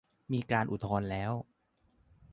มีการอุทธรณ์แล้ว